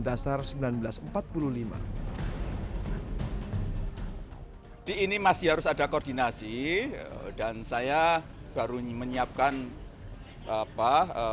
dasar seribu sembilan ratus empat puluh lima di ini masih harus ada koordinasi dan saya baru menyiapkan apa